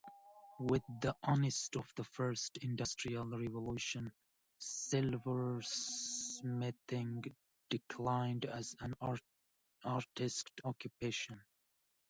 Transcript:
With the onset of the first Industrial Revolution, silversmithing declined as an artistic occupation.